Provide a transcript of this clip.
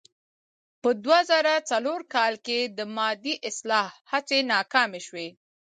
په دوه زره څلور کال کې د مادې اصلاح هڅې ناکامې شوې.